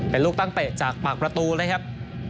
เป็นลูกตั้งเตะจากปากประตูเลยครับ